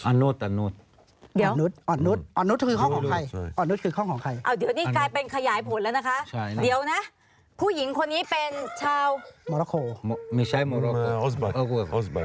อันนุสอันนุสคือห้องของใคร